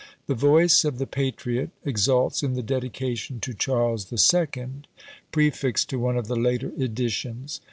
The voice of the patriot exults in the dedication to Charles II. prefixed to one of the later editions.